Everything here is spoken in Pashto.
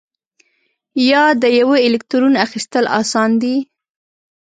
یا د یوه الکترون اخیستل آسان دي؟